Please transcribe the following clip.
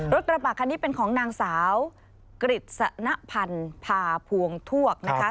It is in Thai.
รถกระบะคันนี้เป็นของนางสาวกฤษณพันธ์ภาพวงทวกนะคะ